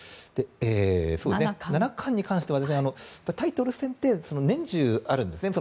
七冠に関しては、タイトル戦って年中あるんですね。